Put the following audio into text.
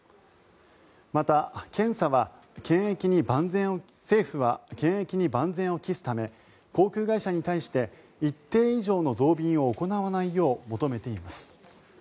また、政府は検疫に万全を期すため航空会社に対して一定以上の増便を行わないよう求めています。